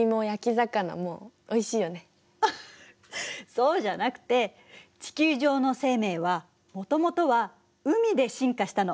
そうじゃなくて地球上の生命はもともとは海で進化したの。